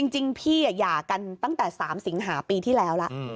จริงพี่หย่ากันตั้งแต่๓สิงหาปีที่แล้วละ